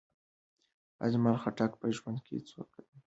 اجمل خټک په ژوند کې څو ځلې زندان ته داخل شوی.